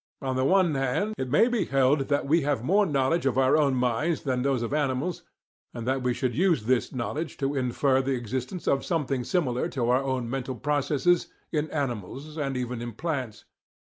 On the one hand, it may be held that we have more knowledge of our own minds than those of animals, and that we should use this knowledge to infer the existence of something similar to our own mental processes in animals and even in plants.